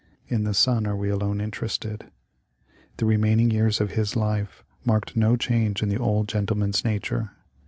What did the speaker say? In the son are we alone inter ested. The remaining years of his life marked no change in the old gentleman's nature.